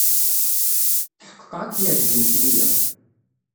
Tḥeqqeɣ ad k-yeɛjeb yimekli-a.